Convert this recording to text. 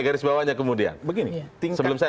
garis bawahnya kemudian begini sebelum saya